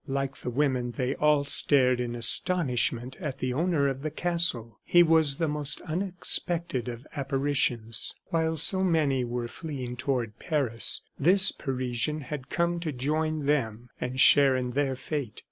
Like the women, they all stared in astonishment at the owner of the castle. He was the most unexpected of apparitions. While so many were fleeing toward Paris, this Parisian had come to join them and share in their fate.